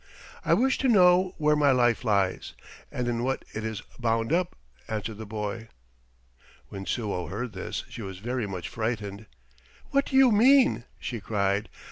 "I wish to know where my life lies, and in what it is bound up," answered the boy. When Suo heard this she was very much frightened. "What do you mean?" she cried.